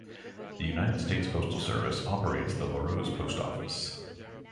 The United States Postal Service operates the Larose Post Office.